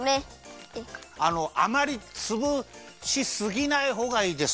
あのあまりつぶしすぎないほうがいいです。